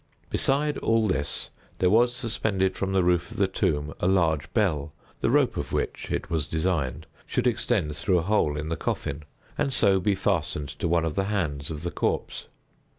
Besides all this, there was suspended from the roof of the tomb, a large bell, the rope of which, it was designed, should extend through a hole in the coffin, and so be fastened to one of the hands of the corpse.